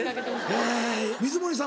え水森さん